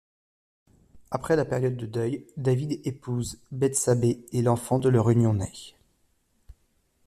Après la période de deuil, David épouse Bethsabée et l'enfant de leur union naît.